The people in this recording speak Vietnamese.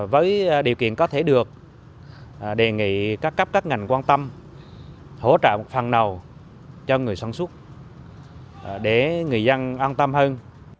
với điều kiện có thể được đề nghị các cấp các ngành quan tâm hỗ trợ phần nào cho người sản xuất để người dân an tâm hơn